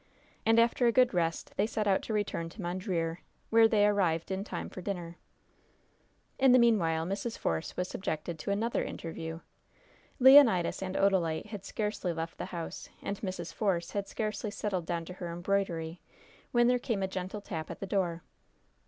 And after a good rest they set out to return to Mondreer, where they arrived in time for dinner. In the meanwhile Mrs. Force was subjected to another interview. Leonidas and Odalite had scarcely left the house, and Mrs. Force had scarcely settled down to her embroidery, when there came a gentle tap at the door.